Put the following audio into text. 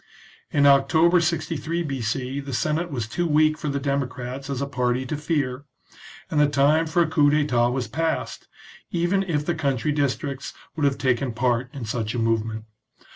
In October 63 B.C., the Senate was too weak for the democrats as a party to fear, and the time for a coup d'etat was past, even if the country districts would have taken part in such a movement.